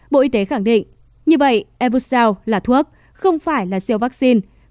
bộ y tế khẳng định như vậy evosal là thuốc không phải là siêu vaccine